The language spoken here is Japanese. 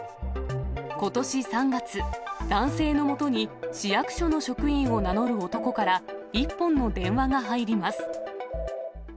ことし３月、男性のもとに市役所の職員を名乗る男から一本の電話が入ります。